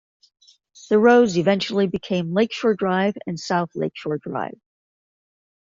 The roads eventually became Lakeshore Drive and South Lakeshore Drive.